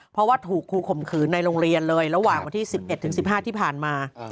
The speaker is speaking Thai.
เพราะว่าถูกครูข่มขืนในโรงเรียนเลยระหว่างวันที่๑๑ถึง๑๕ที่ผ่านมา